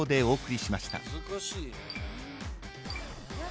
お。